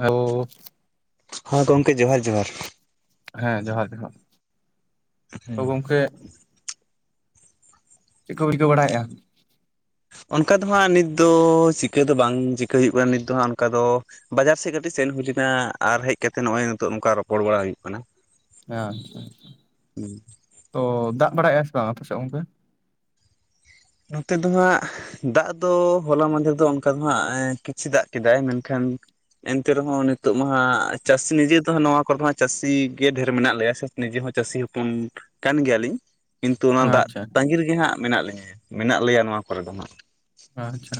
ᱦᱟᱣ [unintelligible] ᱦᱚᱸ ᱜᱚᱝᱠᱮ ᱡᱚᱦᱟᱨ ᱡᱚᱦᱟᱨ ᱦᱮᱸ ᱡᱚᱦᱟᱨ ᱡᱚᱦᱟᱨ ᱛᱚ ᱜᱚᱝᱠᱮ ᱪᱮᱜ ᱠᱳᱯᱮ ᱪᱤᱠᱟᱹ ᱵᱟᱲᱟᱭᱜᱼᱟ ᱚᱱᱠᱟ ᱫᱚ ᱦᱟᱸᱜ ᱱᱤᱛ ᱫᱚ ᱪᱤᱠᱟᱹ ᱫᱚ ᱵᱟᱝ ᱪᱤᱠᱟᱹ ᱦᱩᱭᱩᱜ ᱠᱟᱱᱟ ᱱᱤᱛ ᱫᱚ ᱦᱟᱸᱜ ᱚᱱᱠᱟ ᱫᱚ ᱵᱟᱡᱟᱨ ᱥᱮᱫ ᱠᱟᱹᱴᱤᱡ ᱥᱮᱱ ᱦᱩᱭ ᱞᱮᱱᱟ ᱟᱨ ᱦᱮᱡ ᱠᱟᱛᱮ ᱱᱚᱜᱼᱚᱭ ᱱᱤᱛᱚᱜ ᱱᱚᱝᱠᱟ ᱨᱚᱯᱚᱲ ᱵᱟᱲᱟ ᱦᱩᱭᱩᱜ ᱠᱟᱱᱟ ᱦᱟᱸ ᱦᱟᱸ ᱦᱟᱸ ᱦᱩᱸ ᱛᱚ ᱫᱟᱜ ᱵᱟᱲᱟᱭᱼᱟ ᱥᱮ ᱵᱟᱝ ᱟᱯᱮᱥᱮᱜ ᱜᱚᱝᱠᱮ ᱱᱚᱛᱮ ᱫᱚ ᱦᱟᱸᱜ ᱫᱟᱜ ᱫᱚ ᱦᱚᱞᱟ ᱢᱟᱫᱷᱮᱨ ᱫᱚ ᱚᱱᱠᱟ ᱫᱚ ᱦᱟᱸᱜ ᱠᱤᱪᱷᱩ ᱫᱟᱜ ᱠᱮᱫᱟᱭ ᱢᱮᱱᱠᱷᱟᱱ ᱮᱱᱛᱮ ᱨᱮᱦᱚᱸ ᱱᱤᱛᱚᱜ ᱢᱟ ᱦᱟᱸᱜ ᱪᱟᱹᱥᱤ ᱱᱤᱡᱮ ᱛᱮᱦᱚᱸ ᱱᱚᱣᱟ ᱠᱚᱨᱮᱦᱚᱸ ᱪᱟᱹᱥᱤ ᱜᱮ ᱰᱷᱮᱨ ᱢᱮᱱᱟᱜ ᱞᱮᱭᱟ ᱥᱮ ᱱᱤᱡᱮ ᱦᱚᱸ ᱪᱟᱹᱥᱤ ᱦᱚᱯᱚᱱ ᱠᱟᱱ ᱜᱮᱭᱟᱞᱤᱧ ᱠᱤᱱᱛᱩ ᱚᱱᱟ ᱫᱟᱜ ᱟᱪᱪᱷᱟ ᱛᱟᱸᱜᱤ ᱨᱮᱜᱮ ᱦᱟᱸᱜ ᱢᱮᱱᱟᱜ ᱞᱤᱧᱟ ᱢᱮᱱᱟᱜ ᱞᱮᱭᱟ ᱱᱚᱣᱟ ᱠᱚᱨᱮ ᱫᱚ ᱱᱟᱸᱜ ᱟᱪᱪᱷᱟ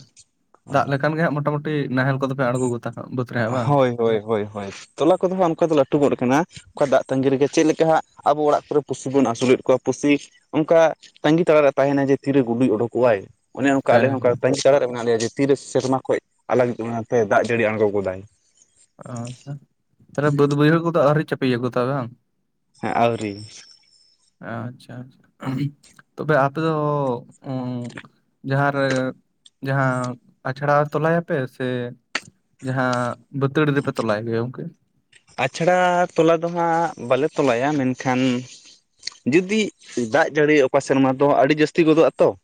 ᱫᱟᱜ ᱞᱮᱠᱷᱟᱱ ᱜᱮ ᱦᱟᱸᱜ ᱢᱚᱴᱟᱢᱩᱴᱤ ᱱᱟᱦᱮᱸᱞ ᱠᱚᱫᱚᱯᱮ ᱟᱬᱜᱚ ᱜᱚᱫᱟ ᱦᱟᱸᱜ ᱵᱟᱹᱫ ᱦᱳᱭ ᱦᱳᱭ ᱦᱳᱭ ᱦᱳᱭ ᱛᱚᱞᱟ ᱠᱚᱫᱚ ᱦᱟᱸᱜ ᱚᱱᱠᱟ ᱫᱚ ᱞᱟᱹᱴᱩ ᱜᱚᱫ ᱠᱟᱱᱟ ᱚᱠᱟ ᱫᱟᱜ ᱛᱟᱸᱜᱤ ᱨᱮᱜ ᱪᱮᱫ ᱞᱮᱠᱟ ᱦᱟᱸᱜ ᱟᱵᱚ ᱚᱲᱟᱜ ᱠᱚᱨᱮ ᱯᱩᱥᱤ ᱵᱚᱱ ᱟᱹᱥᱩᱞᱮᱫ ᱠᱚᱣᱟ ᱯᱩᱥᱤ ᱚᱱᱠᱟ ᱛᱟᱸᱜᱤ ᱛᱟᱲᱟᱨᱮ ᱛᱟᱦᱮᱸᱱᱟᱭ ᱡᱮ ᱛᱤᱨᱮ ᱜᱩᱰᱩᱭ ᱚᱰᱚᱠᱚᱜᱼᱟᱭ ᱚᱱᱮ ᱚᱝᱠᱟ ᱟᱞᱮ ᱦᱚᱸ ᱦᱮᱸ ᱦᱮᱸ ᱚᱝᱠᱟ ᱛᱟᱜᱤᱸ ᱛᱟᱲᱟᱨ ᱨᱮ ᱢᱮᱱᱟᱜ ᱞᱮᱭᱟ ᱡᱮ ᱛᱤᱨᱮ ᱥᱮᱨᱢᱟ ᱠᱷᱚᱡ ᱟᱞᱟᱜ [unintelligible] ᱫᱟᱜ ᱡᱟᱹᱲᱤ ᱟᱬᱜᱚ ᱜᱚᱫᱟᱭ ᱦᱩᱸ ᱟᱪᱪᱷᱟ ᱛᱟᱞᱦᱮ ᱵᱟᱹᱫ ᱵᱟᱹᱭᱦᱟᱹᱲ ᱠᱚᱫᱚ ᱟᱹᱨᱤ ᱪᱟᱯᱮ ᱜᱚᱫᱟᱭ ᱵᱟᱝ ᱦᱮᱸ ᱟᱣᱨᱤ ᱟᱪᱪᱷᱟ ᱟᱪᱪᱷᱟ ᱛᱚᱵᱮ ᱟᱯᱮ ᱫᱚ ᱩᱸ ᱡᱟᱦᱟᱨᱮ ᱡᱟᱦᱟᱸ ᱟᱪᱲᱟ ᱛᱚᱞᱟᱭᱟᱯᱮ ᱥᱮ ᱡᱟᱦᱟᱸ ᱵᱟᱹᱛᱟᱹᱲᱤ ᱨᱮᱯᱮ ᱛᱚᱞᱟᱭ ᱜᱮᱭᱟ ᱜᱚᱝᱠᱮ ᱟᱪᱷᱲᱟ ᱛᱚᱞᱟ ᱫᱚ ᱦᱟᱸᱜ ᱵᱟᱞᱮ ᱛᱚᱞᱟᱭᱟ ᱢᱮᱱᱠᱷᱟᱱ ᱡᱩᱫᱤ ᱫᱟᱜ ᱡᱟᱹᱲᱤ ᱚᱠᱟ ᱥᱮᱨᱢᱟ ᱫᱚ ᱟᱹᱰᱤ ᱡᱟᱹᱥᱛᱤ ᱜᱚᱫᱚ ᱟᱛᱚ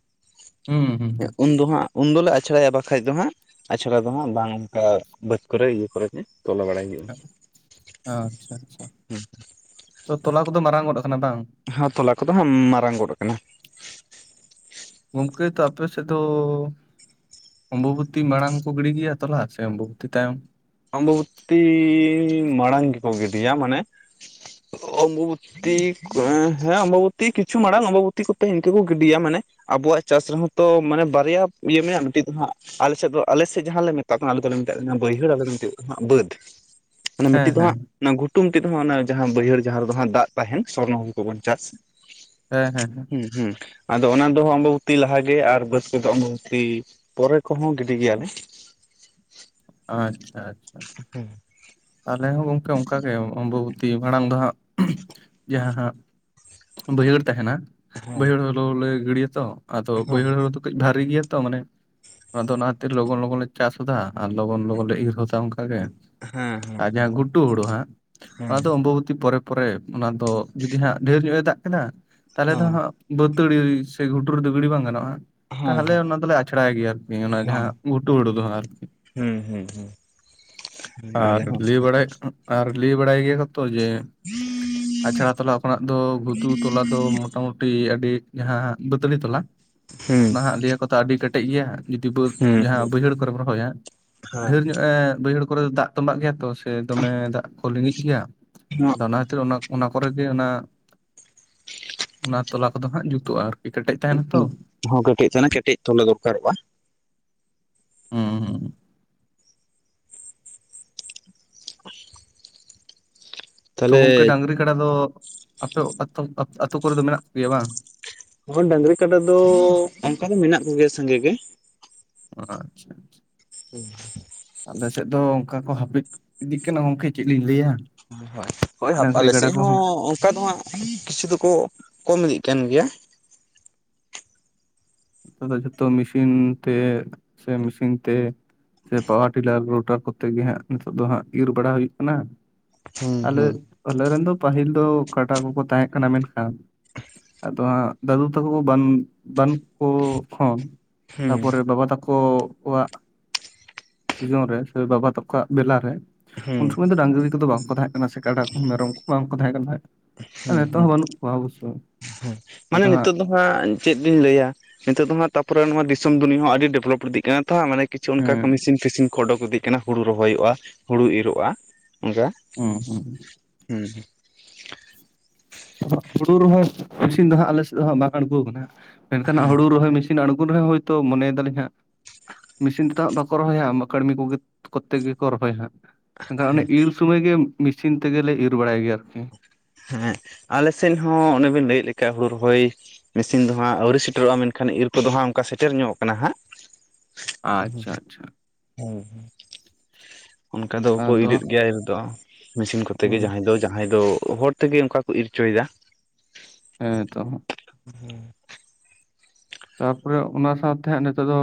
ᱦᱩᱸ ᱦᱩᱸ ᱩᱱ ᱫᱚᱦᱟᱸᱜ ᱩᱱ ᱫᱚᱞᱮ ᱟᱪᱷᱲᱟᱭᱟ ᱵᱟᱠᱷᱟᱡ ᱫᱚ ᱦᱟᱸᱜ ᱟᱪᱷᱟᱲᱟ ᱫᱚ ᱦᱟᱸᱜ ᱵᱟᱝ ᱚᱝᱠᱟ ᱵᱟᱹᱫ ᱠᱚᱨᱮ ᱤᱭᱟᱹ ᱠᱚᱨᱮ ᱜᱮ ᱛᱚᱞᱚ ᱵᱟᱲᱟᱭ ᱦᱩᱭᱩᱜᱼᱟ ᱟᱪᱪᱷᱟ ᱟᱪᱪᱷᱟ ᱦᱮᱸ [unintelligible] ᱛᱚ ᱛᱚᱞᱟ ᱠᱚᱫᱚ ᱢᱟᱨᱟᱝ ᱜᱚᱫ ᱠᱟᱱᱟ ᱵᱟᱝ ᱦᱚᱸ ᱛᱚᱞᱟ ᱠᱚᱫᱚ ᱦᱟᱸᱜ ᱢᱟᱨᱟᱝ ᱜᱚᱫ ᱠᱟᱱᱟ ᱜᱚᱝᱠᱮ ᱛᱚ ᱟᱯᱮ ᱥᱮᱫ ᱫᱚ ᱚᱢᱵᱚᱵᱛᱤ ᱢᱟᱲᱟᱝ ᱠᱚ ᱜᱤᱲᱤ ᱜᱮᱭᱟ ᱛᱚᱞᱟ ᱥᱮ ᱚᱢᱵᱚᱵᱩᱛᱤ ᱛᱟᱭᱚᱢ ᱚᱢᱵᱚᱵᱩᱛᱤ ᱢᱟᱲᱟᱝ ᱜᱮᱠᱚ ᱜᱤᱰᱤᱭᱟ ᱢᱟᱱᱮ ᱚᱢᱵᱚᱼᱵᱚ ᱛᱤᱠ ᱦᱮᱸ ᱚᱢᱵᱚᱵᱩᱛᱤ ᱠᱤᱪᱷᱩ ᱢᱟᱲᱟᱝ ᱚᱢᱵᱚᱵᱩᱛᱤ ᱠᱚᱛᱮ ᱤᱝᱠᱟᱹ ᱠᱚ ᱜᱤᱰᱤᱭᱟ ᱢᱟᱱᱮ ᱟᱵᱚᱣᱟᱜ ᱪᱟᱥ ᱨᱮᱦᱚᱸ ᱛᱚ ᱢᱟᱱᱮ ᱵᱟᱨᱭᱟ ᱤᱭᱟᱹ ᱢᱮᱱᱟᱜᱼᱟ ᱢᱤᱴᱤᱜ ᱫᱚ ᱦᱟᱸᱜ ᱟᱞᱮᱥᱮᱫ ᱫᱚ ᱟᱞᱮᱥᱮᱫ ᱡᱟᱦᱟᱸ ᱞᱮ ᱢᱮᱛᱟᱜ ᱠᱟᱱᱟ ᱟᱞᱮ ᱫᱚᱞᱮ ᱢᱮᱛᱟᱜ ᱠᱟᱱᱟ ᱵᱟᱹᱭᱦᱟᱹᱲ ᱟᱞᱮ ᱪᱮᱫ ᱦᱟᱸᱜ ᱵᱟᱹᱫᱽ ᱢᱟᱱᱮ ᱦᱮᱸ ᱢᱤᱜᱴᱤᱜ ᱫᱚ ᱦᱮᱸ ᱦᱟᱸᱜ ᱚᱱᱟ ᱜᱷᱩᱴᱩᱝ ᱢᱤᱜᱴᱤᱜ ᱫᱚ ᱦᱟᱸᱜ ᱚᱱᱟ ᱡᱟᱦᱟᱸ ᱵᱟᱹᱭᱦᱟᱹᱲ ᱡᱟᱦᱟᱸ ᱨᱮᱫᱚ ᱦᱟᱸᱜ ᱫᱟᱜ ᱛᱟᱦᱮᱱ ᱥᱚᱨᱱᱚ ᱦᱩᱲᱩ ᱠᱚᱵᱚᱱ ᱪᱟᱥ ᱦᱮᱸ ᱦᱮᱸ ᱦᱮᱸ ᱦᱩᱸ ᱦᱩᱸ ᱟᱫᱚ ᱚᱱᱟ ᱫᱚᱦᱚ ᱟᱢᱵᱚᱵᱩᱛᱤ ᱞᱟᱦᱟ ᱜᱮ ᱟᱨ ᱵᱟᱹᱫᱽ ᱠᱚᱫᱚ ᱟᱢᱵᱚᱵᱩᱛᱤ ᱯᱚᱨᱮ ᱠᱚᱦᱚᱸ ᱜᱤᱰᱤ ᱜᱮᱭᱟᱞᱮ ᱟᱪᱪᱷᱟ ᱟᱪᱪᱷᱟ ᱦᱩᱸ ᱟᱞᱮ ᱦᱚᱸ ᱜᱚᱝᱠᱮ ᱚᱝᱠᱟᱜᱮ ᱚᱢᱵᱚᱵᱚᱛᱤ ᱢᱟᱲᱟᱝ ᱫᱚ ᱦᱟᱸᱜ ᱡᱟᱦᱟᱸ ᱦᱟᱸᱜ ᱵᱟᱹᱭᱦᱟᱹᱲ ᱛᱟᱦᱮᱱᱟ ᱦᱮᱸ ᱵᱟᱹᱭᱦᱟᱹᱲ ᱦᱳᱲᱳ ᱞᱮ ᱜᱤᱰᱤᱭᱟᱛᱚ ᱟᱫᱚ ᱵᱟᱹᱭᱦᱟᱹᱲ ᱦᱳᱲᱳ ᱫᱚ ᱠᱟᱺᱡ ᱵᱷᱟᱨᱤ ᱜᱮᱭᱟ ᱛᱚ ᱢᱟᱱᱮ ᱚᱱᱟ ᱫᱚ ᱚᱱᱟ ᱠᱷᱟᱹᱛᱤᱨ ᱞᱚᱜᱚᱱ ᱞᱚᱜᱚᱱ ᱞᱮ ᱪᱟᱥᱫᱟ ᱟᱨ ᱞᱚᱜᱚᱱ ᱞᱚᱜᱚᱱ ᱞᱮ ᱤᱨ ᱦᱚᱫᱟ ᱚᱝᱠᱟᱜᱮ ᱦᱮᱸ ᱦᱮᱸ ᱟᱨ ᱡᱟᱦᱟᱸ ᱜᱷᱩᱴᱩ ᱦᱩᱲᱩ ᱦᱟᱸᱜ ᱦᱮᱸ ᱚᱱᱟ ᱫᱚ ᱚᱢᱵᱚᱵᱚᱛᱤ ᱯᱚᱨᱮ ᱛᱟᱯᱚᱨᱮ ᱚᱱᱟ ᱫᱚ ᱡᱩᱫᱤ ᱦᱟᱸᱜ ᱰᱷᱮᱨ ᱧᱚᱜ ᱮ ᱫᱟᱜ ᱠᱮᱫᱟ ᱛᱟᱦᱞᱮ ᱫᱚ ᱦᱚᱸ ᱦᱟᱸᱜ ᱵᱟᱹᱛᱟᱹᱲᱤ ᱥᱮ ᱜᱷᱩᱴᱩᱨᱩ ᱨᱮᱫᱚ ᱜᱟᱹᱰᱤᱤ ᱵᱟᱝ ᱜᱟᱱᱚᱜᱼᱟ ᱦᱚᱸ ᱛᱟᱦᱞᱮ ᱚᱱᱟ ᱫᱚᱞᱮ ᱟᱪᱷᱲᱟᱭ ᱜᱮᱭᱟ ᱟᱨᱠᱤ ᱚᱱᱟ ᱦᱚᱸ ᱡᱟᱦᱟᱸ ᱜᱷᱩᱴᱩ ᱦᱩᱲᱩ ᱫᱚ ᱦᱟᱸᱜ ᱟᱨᱠᱤ ᱦᱩᱸ ᱦᱩᱸ ᱦᱩᱸ ᱦᱩᱸ ᱟᱨ ᱟᱞᱮ ᱦᱚᱸ ᱞᱟᱹᱭ ᱚᱱᱠᱟ ᱜᱮ ᱵᱟᱲᱟᱭᱮᱫ ᱟᱨ ᱞᱟᱹᱭ ᱵᱟᱲᱟᱭ ᱜᱮᱭᱟ ᱠᱚᱛᱚ ᱡᱮ ᱟᱪᱷᱟᱲᱟ ᱛᱚᱞᱟ ᱠᱷᱚᱱᱟᱜ ᱫᱚ ᱜᱷᱩᱛᱩ ᱛᱚᱞᱟ ᱫᱚ ᱢᱚᱴᱟᱢᱩᱴᱤ ᱠᱩᱴᱤ ᱟᱹᱰᱤ ᱡᱟᱦᱟᱸ ᱵᱟᱹᱛᱟᱹᱲᱤ ᱛᱚᱞᱟ ᱦᱩᱸ ᱚᱱᱟ ᱦᱟᱸᱜ ᱞᱟᱹᱭᱟᱠᱚ ᱛᱚ ᱟᱹᱰᱤ ᱠᱮᱴᱮᱡ ᱜᱮᱭᱟ ᱡᱩᱫᱤ ᱵᱟᱹᱫᱽ ᱦᱩᱸ ᱡᱟᱦᱟᱸ ᱦᱩᱸ ᱵᱟᱹᱭᱦᱟᱹᱲ ᱠᱚᱨᱮᱢ ᱨᱚᱦᱚᱭᱟ ᱰᱷᱮᱨ ᱧᱚᱜ ᱮ ᱵᱟᱹᱭᱦᱟᱹᱲ ᱠᱚᱨᱮ ᱫᱟᱜ ᱛᱟᱢᱵᱟᱜ ᱜᱮᱭᱟ ᱛᱚ ᱥᱮ ᱫᱚᱢᱮ ᱫᱟᱜ ᱠᱚ ᱞᱤᱸᱜᱤᱜ ᱜᱮᱭᱟ ᱦᱮᱸ ᱟᱫᱚ ᱚᱱᱟ ᱠᱷᱟᱹᱛᱤᱨ ᱚᱱᱟ ᱚᱱᱟ ᱠᱚᱨᱮ ᱜᱮ ᱚᱱᱟ ᱚᱱᱟ ᱛᱚᱞᱟ ᱠᱚᱫᱚ ᱦᱟᱸᱜ ᱡᱩᱛᱩᱜᱼᱟ ᱟᱨᱠᱤ ᱠᱮᱴᱮᱡ ᱛᱟᱦᱮᱱᱟ ᱛᱚ ᱦᱚᱸ ᱠᱮᱮᱴᱮᱡ ᱛᱟᱦᱮᱬᱟ ᱠᱮᱴᱮᱡ ᱛᱚᱞᱮ ᱫᱚᱨᱠᱟᱨᱚᱜᱼᱟ ᱦᱩᱸ ᱦᱩᱸ [unintelligible] ᱛᱚ ᱛᱟᱦᱞᱮ ᱜᱚᱝᱠᱮ ᱰᱟᱝᱨᱤ ᱠᱟᱰᱟ ᱫᱚ ᱟᱯᱮ ᱟᱛᱳ ᱟᱛᱳ ᱠᱚᱨᱮ ᱫᱚ ᱢᱮᱱᱟᱜ ᱠᱚᱜᱮᱭᱟ ᱵᱟᱝ ᱚᱝᱠᱟᱱ ᱰᱟᱝᱨᱤ ᱠᱟᱰᱟ ᱫᱚ ᱚᱝᱠᱟ ᱫᱚ ᱢᱮᱱᱟᱜ ᱠᱚᱜᱮᱭᱟ ᱥᱟᱸᱜᱮ ᱜᱮ ᱟᱪᱪᱷᱟ ᱟᱪᱪᱷᱟ ᱦᱩᱸ ᱟᱞᱮ ᱥᱮᱫ ᱫᱚ ᱚᱱᱠᱟ ᱠᱚ ᱦᱟᱹᱯᱤᱫ ᱤᱫᱤᱜ ᱠᱟᱱᱟ ᱜᱚᱢᱠᱮ ᱪᱮᱫ ᱞᱤᱧ ᱞᱟᱹᱭᱟ ᱦᱳᱭ ᱦᱳᱭ ᱰᱟᱝᱨᱤ ᱟᱞᱮ ᱠᱟᱰᱟ ᱥᱮᱫ ᱦᱚᱸ ᱠᱚᱦᱚᱸ ᱚᱱᱠᱟ ᱫᱚ ᱦᱟᱸᱜ ᱠᱤᱪᱷᱩ ᱫᱚ ᱠᱚ ᱠᱚᱢ ᱤᱫᱤᱜ ᱠᱟᱱ ᱜᱮᱭᱟ ᱡᱚᱛᱚ ᱢᱮᱥᱤᱱ ᱛᱮ ᱥᱮ ᱢᱮᱥᱤᱱ ᱛᱮ ᱥᱮ ᱯᱟᱣᱟᱨ ᱴᱤᱞᱟᱨ ᱨᱳᱴᱟᱨ ᱠᱚᱛᱮ ᱜᱮ ᱦᱟᱸᱜ ᱱᱤᱛᱚᱜ ᱫᱚ ᱦᱟᱸᱜ ᱤᱨ ᱵᱟᱲᱟ ᱦᱩᱭᱩᱜ ᱠᱟᱱᱟ ᱦᱩᱸ ᱟᱞᱮ ᱦᱩᱸ ᱟᱞᱮ ᱨᱮᱱ ᱫᱚ ᱯᱟᱹᱦᱤᱞ ᱫᱚ ᱠᱟᱰᱟ ᱠᱚ ᱠᱚ ᱛᱟᱦᱮᱸ ᱠᱟᱱᱟ ᱢᱮᱱᱠᱷᱟᱱ ᱟᱫᱚ ᱦᱟᱸᱜ ᱫᱟᱫᱩ ᱛᱟᱠᱚ ᱵᱟᱹᱱᱩᱜ ᱵᱟᱹᱱᱩᱜ ᱠᱚ ᱠᱷᱚᱱ ᱦᱩᱸ ᱛᱟᱯᱚᱨᱮ ᱵᱟᱵᱟ ᱛᱟᱠᱚ ᱠᱚ ᱠᱚᱣᱟᱜ ᱥᱤᱡᱚᱱ ᱨᱮ ᱥᱮ ᱵᱟᱵᱟ ᱛᱟᱠᱚᱣᱟᱜ ᱵᱮᱞᱟ ᱨᱮ ᱦᱩᱸ ᱩᱱ ᱥᱚᱢᱚᱭ ᱫᱚ ᱰᱟᱝᱨᱤ ᱠᱚ ᱫᱚ ᱵᱟᱝ ᱠᱚ ᱛᱟᱦᱮᱸᱫ ᱥᱮ ᱠᱟᱰᱟ ᱠᱚ ᱢᱮᱨᱚᱢ ᱠᱚ ᱵᱟᱝ ᱠᱚ ᱛᱟᱦᱮᱸ ᱠᱟᱱᱟ ᱦᱩᱸ ᱱᱤᱛᱚᱜ ᱦᱩᱸ ᱦᱚᱸ ᱵᱟᱹᱱᱩᱜ ᱠᱚᱣᱟ ᱚᱵᱚᱥᱥᱳ ᱢᱟᱱᱮ ᱱᱤᱛᱚᱜ ᱫᱚ ᱦᱟᱸᱜ ᱪᱮᱫ ᱤᱧ ᱞᱟᱹᱭᱟ ᱱᱤᱛᱚᱜ ᱫᱚ ᱦᱟᱸᱜ ᱛᱟᱯᱚᱨᱮ ᱱᱚᱣᱟ ᱫᱤᱥᱚᱢ ᱫᱩᱱᱤᱭᱟᱹ ᱦᱚᱸ ᱟᱹᱰᱤ ᱰᱮᱵᱷᱞᱚᱯ ᱤᱫᱤᱜ ᱠᱟᱱᱟ ᱛᱚ ᱢᱟᱱᱮ ᱦᱟᱜ ᱠᱤᱪᱷᱩ ᱚᱱᱠᱟ ᱦᱮᱸ ᱢᱮᱥᱤᱱ ᱯᱷᱤᱥᱤᱱ ᱠᱚ ᱚᱰᱩᱠ ᱤᱫᱤᱜ ᱠᱟᱱᱟ ᱦᱩᱲᱩ ᱨᱚᱦᱚᱭᱚᱜᱼᱟ ᱦᱩᱲᱩ ᱤᱨᱚᱜᱼᱟ ᱚᱱᱠᱟ ᱦᱮᱸ ᱦᱩᱸ ᱦᱩᱸ ᱦᱩᱲᱩ ᱨᱚᱦᱚᱭ ᱢᱮᱥᱤᱱ ᱫᱚ ᱦᱟᱸᱜ ᱟᱞᱮ ᱥᱮᱫ ᱫᱚ ᱦᱟᱸᱜ ᱵᱟᱝ ᱟᱲᱜᱩ ᱟᱠᱟᱱᱟ ᱦᱟᱸᱜ ᱢᱮᱱᱠᱷᱟᱱ ᱦᱮᱸ ᱦᱩᱲᱩ ᱨᱚᱦᱚᱭ ᱢᱮᱥᱤᱱ ᱛᱤᱱ ᱟᱲᱜᱚᱱ ᱨᱮᱦᱚᱸ ᱦᱚᱭᱛᱚ ᱢᱚᱱᱮᱭᱮᱫᱟ ᱞᱤᱧ ᱦᱟᱸᱜ ᱢᱮᱥᱤᱱ ᱛᱮᱫᱚ ᱦᱟᱸᱜ ᱵᱟᱠᱚ ᱨᱚᱦᱚᱭᱟ ᱠᱟᱹᱲᱢᱤ ᱠᱚᱜᱮ ᱠᱚᱛᱮ ᱜᱮᱠᱚ ᱨᱚᱦᱚᱭ-ᱟ ᱦᱟᱸᱜ ᱮᱱᱠᱷᱟᱱ ᱚᱱᱮ ᱦᱮᱸ ᱤᱨ ᱥᱚᱢᱚᱭ ᱜᱮ ᱢᱮᱥᱤᱱ ᱛᱮᱜᱮᱞᱮ ᱤᱨᱻ ᱵᱟᱲᱟᱭ ᱜᱮᱭᱟ ᱟᱨᱠᱤ ᱦᱮᱸ ᱟᱞᱮ ᱥᱮᱫ ᱦᱚᱸ ᱚᱱᱮ ᱵᱤᱱ ᱞᱟᱹᱭᱮᱫ ᱞᱮᱠᱟ ᱦᱩᱲᱩ ᱨᱚᱦᱚᱭ ᱢᱮᱥᱤᱱ ᱫᱚ ᱦᱟᱸᱜ ᱟᱹᱣᱨᱤ ᱥᱮᱴᱮᱨᱚᱜᱼᱟ ᱢᱮᱱᱠᱷᱟᱱ ᱤᱨ ᱠᱚ ᱫᱚ ᱦᱟᱸᱜ ᱚᱱᱠᱟ ᱥᱮᱴᱮᱨ ᱧᱚᱜ ᱠᱟᱱᱟ ᱦᱟᱸᱜ ᱟᱪᱪᱷᱟ ᱟᱪᱪᱷᱟ ᱦᱮᱸ ᱚᱱᱠᱟ ᱫᱚ ᱦᱳᱭ ᱟᱫᱚ ᱤᱨᱮᱫ ᱜᱮᱭᱟ ᱤᱨ ᱫᱚ ᱢᱮᱥᱤᱱ ᱠᱚᱛᱮ ᱜᱮ ᱦᱟᱸᱜ ᱡᱟᱦᱟᱸᱭ ᱫᱚ ᱡᱟᱦᱟᱸᱭ ᱫᱚ ᱦᱚᱲ ᱛᱮ ᱜᱮ ᱚᱱᱠᱟ ᱠᱚ ᱤᱨ ᱚᱪᱚᱭᱮᱫᱟ ᱦᱮᱸ ᱛᱚ [inaudible] ᱛᱟᱨᱯᱚᱨᱮ ᱚᱱᱟ ᱥᱟᱶᱛᱮ ᱦᱟᱸᱜ ᱱᱤᱛᱚᱜ ᱫᱚ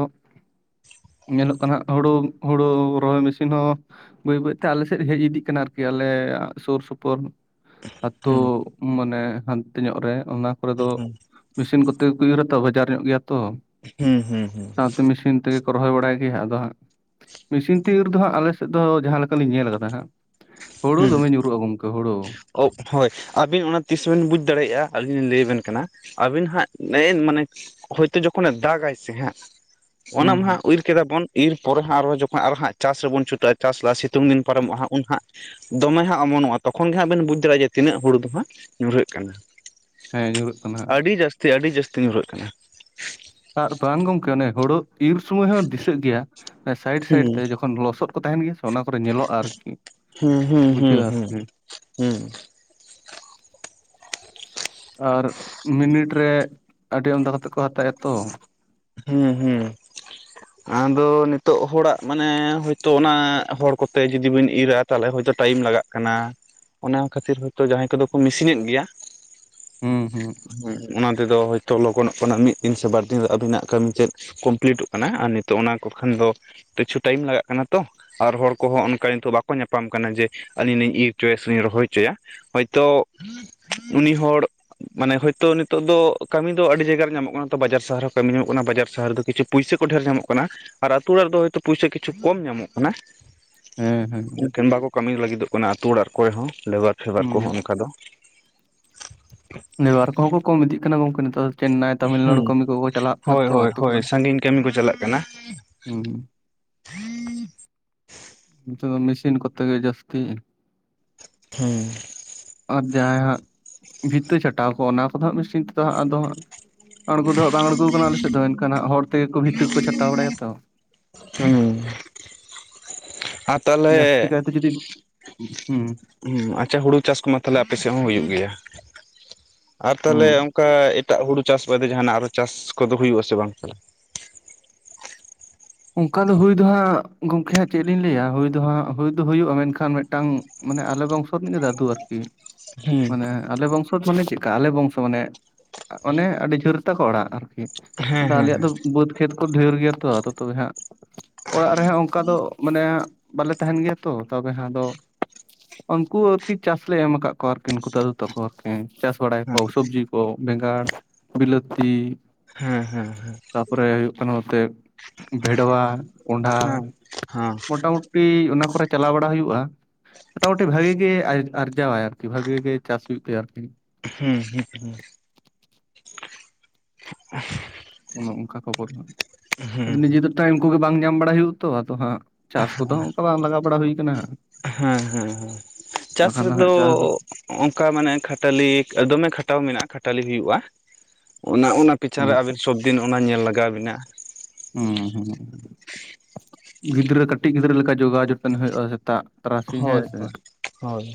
ᱧᱮᱞᱚᱜ ᱠᱟᱱᱟ ᱦᱟᱸᱜ ᱦᱩᱲᱩ ᱦᱩᱲᱩ ᱨᱚᱦᱚᱭ ᱢᱮᱥᱤᱱ ᱦᱚᱸ ᱵᱟᱹᱭ ᱵᱟᱹᱭ ᱛᱮ ᱟᱞᱮ ᱥᱮᱫ ᱦᱮᱡ ᱤᱫᱤᱜ ᱠᱟᱱᱟ ᱟᱨᱠᱤ ᱟᱞᱮᱭᱟᱜ ᱥᱩᱨ ᱥᱩᱯᱩᱨ ᱟᱛᱳ ᱦᱩᱸ ᱢᱟᱱᱮ ᱦᱟᱱᱛᱮ ᱧᱚᱜ ᱨᱮ ᱚᱱᱟ ᱠᱚᱨᱮ ᱫᱚ ᱦᱩᱸ ᱢᱮᱥᱤᱱ ᱠᱚᱛᱮ ᱜᱮ ᱩᱭᱦᱟᱹᱨᱟᱛᱚ ᱵᱟᱡᱟᱨ ᱧᱚᱜ ᱜᱮᱭᱟ ᱛᱚ ᱦᱮᱸ ᱦᱮᱸ ᱦᱮᱸ ᱥᱟᱶᱛᱮ ᱢᱮᱥᱤᱱ ᱛᱮᱜᱮ ᱠᱚ ᱨᱚᱦᱚᱭ ᱵᱟᱲᱟᱭ ᱜᱮ ᱟᱫᱚ ᱦᱟᱸᱜ ᱢᱮᱥᱤᱱ ᱛᱮ ᱫᱚ ᱦᱟᱸᱜ ᱟᱞᱮᱥᱮᱫ ᱫᱚ ᱡᱟᱦᱟᱸ ᱞᱮᱠᱟ ᱞᱤᱧ ᱧᱮᱞ ᱟᱠᱟᱫᱟ ᱦᱟᱸᱜ ᱦᱩᱲᱩ ᱦᱩᱸ ᱫᱚᱢᱮ ᱧᱩᱨᱩᱜᱼᱟ ᱜᱚᱝᱠᱮ ᱦᱩᱲᱩ ᱦᱳᱭ ᱟᱹᱵᱤᱱ ᱚᱱᱟ ᱛᱤᱥ ᱵᱤᱱ ᱵᱩᱡᱽ ᱫᱟᱲᱮᱭᱟᱜᱼᱟ ᱟᱹᱞᱤᱧ ᱞᱤᱧ ᱞᱟᱹᱭ ᱟᱵᱮᱱ ᱠᱟᱱᱟ ᱟᱵᱤᱱ ᱦᱟᱸᱜ ᱢᱟᱱᱮ ᱦᱳᱭᱛᱳ ᱡᱚᱠᱷᱚᱱ ᱮ ᱫᱟᱜ ᱟᱭ ᱥᱮ ᱦᱟᱸᱜ ᱚᱱᱟ ᱦᱩᱸ ᱢᱟ ᱦᱩᱸ ᱦᱟᱸ ᱤᱨ ᱠᱮᱫᱟ ᱵᱚᱱ ᱤᱨ ᱯᱚᱨᱮ ᱦᱟᱸᱜ ᱟᱨᱦᱚᱸ ᱡᱚᱠᱷᱚᱱ ᱟᱨ ᱦᱟᱸᱜ ᱪᱟᱥ ᱨᱮᱵᱚᱱ ᱪᱩᱴᱟᱹᱜᱼᱟ ᱪᱟᱥ ᱞᱟᱦᱟ ᱥᱤᱛᱩᱝ ᱫᱤᱱ ᱯᱟᱨᱚᱢᱚᱜᱼᱟ ᱩᱱ ᱦᱟᱸᱜ ᱦᱟᱸᱜ ᱫᱚᱢᱮ ᱦᱟᱸᱜ ᱚᱢᱚᱱᱚᱜᱼᱟ᱾ ᱛᱚᱠᱷᱚᱱ ᱜᱮ ᱦᱟᱸᱜ ᱵᱮᱱ ᱵᱩᱡᱽ ᱫᱟᱲᱮᱭᱟᱜᱼᱟ ᱡᱮ ᱛᱤᱱᱟᱹᱜ ᱦᱩᱲᱩ ᱫᱚ ᱦᱟᱸᱜ ᱧᱩᱨᱦᱟᱹᱜ ᱠᱟᱱᱟ ᱦᱮᱸ ᱧᱩᱨᱩᱜ ᱠᱟᱱᱟ ᱦᱟᱸᱜ ᱟᱹᱰᱤ ᱡᱟᱹᱥᱛᱤ ᱟᱹᱰᱤ ᱡᱟᱹᱥᱛᱤ ᱧᱩᱨᱦᱟᱹᱜ ᱠᱟᱱᱟ ᱟᱨ [unintelligible] ᱵᱟᱝ ᱜᱚᱝᱠᱮ ᱚᱱᱮ ᱦᱳᱲᱳ ᱤᱨ ᱥᱩᱢᱚᱭ ᱦᱚᱸ ᱫᱤᱥᱟᱹᱜ ᱜᱮᱭᱟ ᱥᱟᱭᱤᱰ ᱥᱟᱭᱤᱰ ᱦᱩᱸ ᱛᱮ ᱡᱚᱠᱷᱚᱱ ᱞᱚᱥᱚᱫ ᱠᱚ ᱛᱟᱦᱮᱱ ᱜᱮᱭᱟ ᱥᱮ ᱚᱱᱟ ᱠᱚᱨᱮ ᱧᱮᱞᱚᱜᱼᱟ ᱟᱨᱠᱤ ᱦᱩᱸ ᱦᱩᱸ ᱦᱩᱸ ᱵᱩᱡᱷᱟᱹᱜᱼᱟ ᱦᱩᱸ ᱟᱨᱠᱤ ᱦᱩᱸ ᱟᱨ ᱢᱤᱱᱤᱴ ᱨᱮ ᱟᱹᱰᱤ ᱟᱢᱫᱟ ᱠᱟᱛᱮ ᱠᱚ ᱦᱟᱛᱟᱭ ᱛᱚ ᱦᱮᱸ ᱦᱮᱸ ᱟᱫᱚ ᱱᱤᱛᱳᱜ ᱦᱚᱲᱟᱜ ᱢᱟᱱᱮ ᱦᱚᱭᱛᱚ ᱚᱱᱟ ᱦᱚᱲ ᱠᱚᱛᱮ ᱡᱩᱫᱤ ᱵᱤᱱ ᱤᱨ ᱟ ᱛᱟᱦᱚᱞᱮ ᱦᱚᱭᱛᱳ ᱴᱟᱭᱤᱢ ᱞᱟᱜᱟᱜ ᱠᱟᱱᱟ᱾ ᱚᱱᱟ ᱠᱷᱟᱹᱛᱤᱨ ᱦᱚᱭᱛᱳ ᱡᱟᱸᱦᱟᱭ ᱠᱚᱫᱚ ᱠᱚ ᱢᱮᱥᱤᱱ ᱮᱫ ᱜᱮᱭᱟ᱾ ᱦᱩᱸ ᱦᱩᱸ ᱦᱮᱸ ᱚᱱᱟ ᱛᱮᱫᱚ ᱦᱳᱭᱛᱚ ᱞᱚᱜᱚᱱᱚᱜ ᱠᱟᱱᱟ ᱢᱤᱫ ᱫᱤᱱ ᱥᱮ ᱵᱟᱨ ᱫᱤᱱ ᱟᱵᱤᱱᱟᱜ ᱠᱟᱹᱢᱤ ᱪᱮᱫ ᱠᱚᱢᱯᱞᱤᱴᱚᱜ ᱠᱟᱱᱟ ᱟᱨ ᱱᱤᱛᱚᱜ ᱚᱱᱟ ᱠᱚ ᱠᱷᱟᱱ ᱫᱚ ᱠᱤᱪᱷᱩ ᱴᱟᱭᱤᱢ ᱞᱟᱜᱟᱜ ᱠᱟᱱᱟ ᱛᱚ ᱟᱨ ᱦᱚᱲ ᱠᱚᱦᱚᱸ ᱚᱱᱠᱟ ᱱᱤᱛᱚᱜ ᱵᱟᱠᱚ ᱧᱟᱯᱟᱢ ᱠᱟᱱᱟ ᱡᱮ ᱟᱹᱞᱤᱧ ᱞᱤᱧ ᱤᱨ ᱦᱚᱪᱚᱭᱟ ᱥᱮᱞᱤᱧ ᱨᱚᱦᱚᱭ ᱦᱚᱪᱚᱭᱟ ᱦᱚᱭᱛᱚ ᱩᱱᱤ ᱦᱚᱲ ᱢᱟᱱᱮ ᱦᱳᱭᱛᱳ ᱱᱤᱛᱚᱜ ᱫᱚ ᱠᱟᱹᱢᱤ ᱫᱚ ᱟᱹᱰᱤ ᱡᱟᱭᱜᱟ ᱨᱮ ᱧᱟᱢᱚᱜ ᱠᱟᱱᱟ ᱛᱚ ᱵᱟᱡᱟᱨ ᱥᱟᱦᱟᱨ ᱦᱚᱸ ᱠᱟᱹᱢᱤ ᱧᱚᱜ ᱚᱱᱟ ᱵᱟᱡᱟᱨ ᱥᱟᱦᱟᱨ ᱫᱚ ᱠᱤᱪᱷᱩ ᱯᱩᱭᱥᱟᱹ ᱠᱚ ᱰᱷᱮᱨ ᱧᱟᱢᱚᱜ ᱠᱟᱱᱟ ᱟᱨ ᱟᱛᱩ ᱚᱲᱟᱜ ᱨᱮᱫᱚ ᱦᱚᱭᱛᱚ ᱯᱚᱭᱥᱟ ᱠᱤᱪᱷᱩ ᱠᱚᱢ ᱧᱟᱢᱚᱜ ᱠᱟᱱᱟ᱾ ᱦᱮᱸ ᱦᱮᱸ ᱚᱱᱠᱟ ᱵᱟᱠᱚ ᱠᱟᱹᱢᱤ ᱞᱟᱹᱜᱤᱫ ᱚᱜ ᱠᱟᱱᱟ ᱟᱛᱳ ᱚᱲᱟᱜ ᱠᱚᱨᱮ ᱦᱚᱸ ᱞᱮᱵᱟᱨ ᱯᱷᱮᱵᱟᱨ ᱠᱚᱦᱚᱸ ᱦᱩᱸ ᱚᱱᱠᱟ ᱫᱚ ᱞᱮᱵᱟᱨ ᱠᱚᱦᱚᱸ ᱠᱚᱢ ᱤᱫᱤᱜ ᱠᱟᱱᱟ ᱜᱚᱝᱠᱮ ᱱᱮᱛᱟᱨ ᱪᱮᱱᱱᱟᱭ ᱛᱟᱹᱢᱤᱱᱱᱟᱹᱲᱩ ᱦᱩᱸ ᱠᱟᱹᱢᱤ ᱠᱚᱠᱚ ᱪᱟᱞᱟᱜ ᱠᱟᱱᱟ ᱦᱳᱭ ᱛᱚ ᱦᱳᱭ ᱟᱛᱳ ᱦᱳᱭ ᱠᱚᱨᱮᱱ ᱥᱟᱺᱜᱤᱧ ᱠᱟᱹᱢᱤ ᱠᱚ ᱪᱟᱞᱟᱜ ᱠᱟᱱᱟ ᱦᱩᱸ ᱫᱚ [unintelligible] ᱢᱮᱥᱤᱱ ᱠᱚᱛᱮ ᱜᱮ ᱡᱟᱹᱥᱛᱤ ᱦᱮᱸ ᱟᱨ ᱡᱟᱦᱟᱸᱭ ᱦᱟᱸᱜ ᱵᱷᱤᱛᱟᱹ ᱪᱷᱟᱴᱟᱣ ᱠᱚᱜᱼᱟ ᱚᱱᱟ ᱠᱚᱫᱚ ᱦᱟᱸᱜ ᱢᱮᱥᱤᱱ ᱛᱮᱫᱚ ᱦᱟᱸᱜ ᱟᱫᱚ ᱦᱟᱸᱜ ᱟᱬᱜᱚ ᱫᱚ ᱦᱟᱸᱜ ᱵᱟᱝ ᱟᱬᱜᱚ ᱠᱟᱱᱟ ᱟᱞᱮ ᱥᱮᱫ ᱫᱚ ᱮᱱᱠᱷᱟᱱ ᱦᱚᱲ ᱛᱮᱜᱮ ᱠᱚ ᱵᱷᱤᱛᱤ ᱠᱚ ᱪᱷᱟᱴᱟᱣ ᱵᱟᱲᱟᱭᱟ ᱛᱚ ᱦᱮᱸ ᱡᱟᱹᱥᱛᱤ ᱠᱟᱭ ᱛᱮ ᱡᱩᱫᱤ ᱦᱩᱸ ᱦᱩᱸ ᱟᱪᱪᱷᱟ ᱦᱩᱲᱩ ᱪᱟᱥ ᱠᱚᱢᱟ ᱛᱟᱦᱚᱞᱮ ᱟᱯᱮᱥᱮᱫ ᱦᱚᱸ ᱦᱩᱭᱩᱜ ᱜᱮᱭᱟ ᱟᱨ ᱦᱩᱸ ᱛᱟᱦᱚᱞᱮ ᱚᱱᱠᱟ ᱮᱴᱟᱜ ᱦᱩᱲᱩ ᱪᱟᱥ ᱵᱟᱫᱮ ᱡᱟᱦᱟᱱᱟᱜ ᱟᱨᱚ ᱪᱟᱥ ᱠᱚᱫᱚ ᱦᱩᱭᱩᱜᱼᱟ ᱥᱮ ᱵᱟᱝ᱾ ᱚᱱᱠᱟ ᱫᱚ ᱦᱩᱭ ᱫᱚ ᱦᱟᱸᱜ ᱜᱚᱢᱠᱮ ᱦᱟᱸᱜ ᱪᱮᱫ ᱞᱤᱧ ᱞᱟᱹᱭᱟ ᱦᱩᱭ ᱫᱚ ᱦᱟᱸᱜ ᱦᱩᱭ ᱫᱚ ᱦᱩᱭᱩᱜᱼᱟ, ᱢᱮᱱᱠᱷᱟᱱ ᱢᱤᱫᱴᱟᱝ ᱢᱟᱱᱮ ᱟᱞᱮ ᱵᱚᱝᱥᱚ ᱨᱮᱱᱤᱡ ᱜᱮ ᱫᱟᱫᱩ ᱟᱨᱠᱤ ᱦᱩᱸ ᱢᱟᱱᱮ ᱟᱞᱮ ᱵᱚᱝᱥᱚ ᱢᱟᱱᱮ ᱪᱮᱫᱠᱟ ᱟᱞᱮ ᱵᱚᱝᱥᱚ ᱢᱟᱱᱮ ᱚᱱᱮ ᱟᱹᱰᱤ ᱡᱷᱳᱨ ᱛᱟ ᱠᱚ ᱚᱲᱟᱜ ᱟᱨᱠᱤ ᱦᱮᱸ ᱫᱟ ᱦᱮᱸ ᱟᱞᱮᱭᱟᱜ ᱦᱮᱸ ᱫᱚ ᱵᱟᱹᱫᱽ ᱠᱷᱮᱛ ᱠᱚ ᱰᱷᱮᱨ ᱜᱮᱭᱟ ᱛᱚ ᱟᱫ ᱛᱚᱵᱮ ᱦᱟᱸᱜ ᱚᱲᱟᱜ ᱨᱮᱦᱚᱸ ᱚᱱᱠᱟ ᱫᱚ ᱢᱟᱱᱮ ᱵᱟᱞᱮ ᱛᱟᱦᱮᱱ ᱜᱮᱭᱟ ᱛᱚ ᱛᱚᱵᱮ ᱦᱟᱸᱜ ᱟᱫᱚ ᱩᱱᱠᱩ ᱟᱨᱠᱤ ᱪᱟᱥᱞᱮ ᱮᱢ ᱟᱠᱟᱫ ᱠᱚᱣᱟ ᱟᱨᱠᱤ ᱩᱱᱠᱩ ᱛᱚᱠᱷᱚᱨ ᱯᱮ ᱪᱟᱥ ᱵᱟᱰᱟᱭ ᱠᱚ ᱥᱚᱵᱽᱡᱤ ᱠᱚ ᱵᱮᱸᱜᱟᱲ ᱵᱤᱞᱟᱹᱛᱤ ᱦᱮᱸ ᱦᱮᱸ ᱛᱟᱯᱚᱨᱮ ᱦᱩᱭᱩᱜ ᱠᱟᱱᱟ ᱱᱚᱛᱮ ᱵᱷᱮᱰᱣᱟ ᱠᱚᱸᱰᱷᱟ ᱦᱮᱸ ᱦᱮᱸ ᱢᱚᱴᱟᱢᱩᱴᱤ ᱚᱱᱟ ᱠᱚᱨᱮ ᱪᱟᱞᱟᱣ ᱵᱟᱲᱟ ᱦᱩᱭᱩᱜᱼᱟ ᱢᱚᱴᱟᱢᱩᱴᱤ ᱵᱷᱟᱜᱤ ᱜᱮ ᱟᱨᱡᱟᱣᱟᱭ ᱟᱨᱠᱤ ᱵᱷᱟᱜᱤ ᱜᱮ ᱪᱟᱥ ᱦᱩᱭᱩᱜ ᱛᱟᱭᱟ ᱟᱨᱠᱤ᱾ ᱦᱩᱸ ᱦᱮᱸ ᱦᱮᱸ᱾ ᱚᱱᱮ ᱚᱱᱠᱟ ᱠᱷᱚᱵᱚᱨ ᱦᱮᱸ ᱟᱫᱚ ᱱᱤᱡᱮ ᱫᱚ ᱴᱟᱭᱤᱢ ᱠᱚᱜᱮ ᱵᱟᱝ ᱧᱟᱢ ᱵᱟᱲᱟᱭ ᱦᱩᱭᱩᱜᱼᱟ ᱛᱚ ᱟᱫᱚ ᱦᱟᱸᱜ᱾ ᱪᱟᱥ ᱠᱚᱫᱚ ᱦᱚᱸ ᱚᱱᱠᱟ ᱵᱟᱝ ᱞᱟᱜᱟ ᱵᱟᱲᱟ ᱦᱩᱭ ᱟᱠᱟᱱᱟ᱾ ᱦᱮᱸ ᱦᱮᱸ ᱦᱮᱸ, ᱪᱟᱥ ᱨᱮᱫᱚ ᱦᱟᱸᱜ ᱪᱟᱥ ᱫᱚ ᱚᱱᱠᱟ ᱢᱟᱱᱮ ᱠᱷᱟᱹᱴᱟᱹᱞᱤ ᱫᱚᱢᱮ ᱠᱷᱟᱴᱟᱣ ᱢᱮᱱᱟᱜᱼᱟ ᱠᱷᱟᱹᱴᱟᱹᱞᱤ ᱦᱩᱭᱩᱜᱼᱟ᱾ ᱚᱱᱟ ᱚᱱᱟ ᱯᱤᱪᱷᱟᱱ ᱦᱩᱸ ᱨᱮ ᱟᱹᱵᱤᱱ ᱥᱚᱵᱫᱤᱱ ᱚᱱᱟ ᱧᱮᱞ ᱞᱟᱜᱟᱣ ᱵᱤᱱᱟ᱾ ᱦᱩᱸ ᱦᱩᱸ, ᱜᱤᱫᱽᱨᱟᱹ ᱠᱟᱹᱴᱤᱡ ᱜᱤᱫᱽᱨᱟᱹ ᱞᱮᱠᱟ ᱡᱚᱜᱟᱣ ᱡᱚᱛᱚᱱ ᱦᱩᱭᱩᱜᱼᱟ ᱥᱮᱛᱟᱜ᱾ ᱛᱟᱨᱟᱥᱤᱧ ᱦᱮᱸ ᱦᱳᱭ ᱥᱮ ᱦᱳᱭ ᱦᱳᱭ,